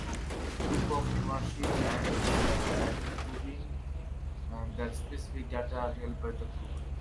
Proof of ownership aims at proving that specific data are held by the prover.